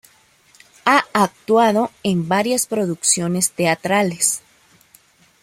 Ha actuado en varias producciones teatrales.